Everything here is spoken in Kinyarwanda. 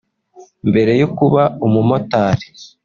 Mbere yo kuba umumotari